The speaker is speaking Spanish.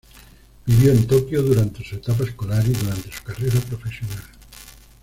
Vivió en Tokio durante su etapa escolar y durante su carrera profesional.